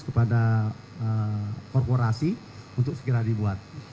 kepada korporasi untuk segera dibuat